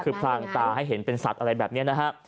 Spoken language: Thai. คือพรางตาให้เห็นเป็นสัตว์อะไรแบบนี้นะฮะ